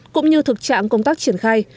cũng như thực trạng công tác triển khai